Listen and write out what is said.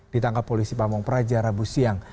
ditangkap polisi pamung praja rabu siang